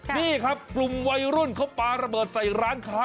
นี่ครับกลุ่มวัยรุ่นเขาปลาระเบิดใส่ร้านค้า